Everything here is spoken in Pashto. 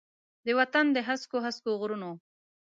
د وطن د هسکو، هسکو غرونو،